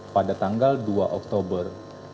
pada tanggal dua oktober